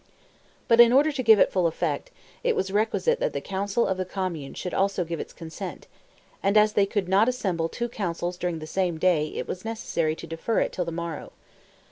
But in order to give it full effect, it was requisite that the Council of the Commune should also give its consent; and, as they could not assemble two councils during the same day it was necessary to defer it till the morrow.